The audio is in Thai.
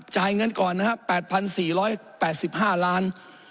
จ่ายเงินก่อนนะครับ๘๔๘๕ล้าน